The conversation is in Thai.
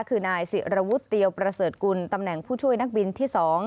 คือนายศิรวุฒิเตียวประเสริฐกุลตำแหน่งผู้ช่วยนักบินที่๒